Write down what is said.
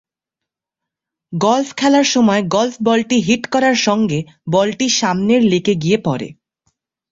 Golf খেলার সময় golf বলটি হিট করার সঙ্গে বলটি সামনের লেকে গিয়ে পড়ে।